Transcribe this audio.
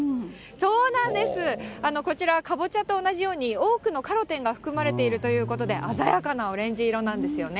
そうなんです、こちら、多くのカロテンが含まれているということで、鮮やかなオレンジ色なんですよね。